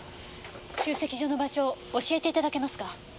集積所の場所教えていただけますか？